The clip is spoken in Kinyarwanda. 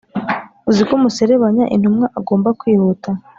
uziko umuserebanya intumwa agomba kwihuta